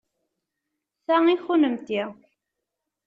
Ta i kennemti.